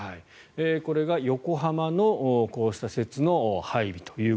これが横浜のこうした施設の配備と。